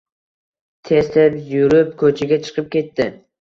Tez-tez yurib ko‘chaga chiqib ketdi.